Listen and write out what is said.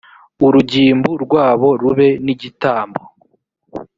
urugimbu rwabwo rube nigitambo.